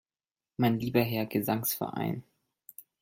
Mein lieber Herr Gesangsverein!